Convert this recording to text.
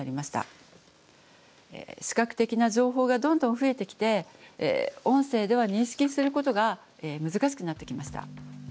視覚的な情報がどんどん増えてきて音声では認識することが難しくなってきました。